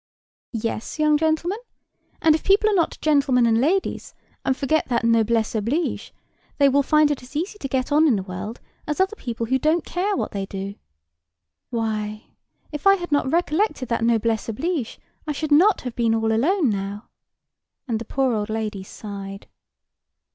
"Yes, young gentleman: and if people are not gentleman and ladies, and forget that noblesse oblige, they will find it as easy to get on in the world as other people who don't care what they do. Why, if I had not recollected that noblesse oblige, I should not have been all alone now." And the poor old lady sighed.